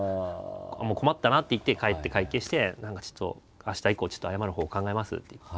困ったなって言って帰って会計して何かちょっと明日以降謝る方法考えますって言って。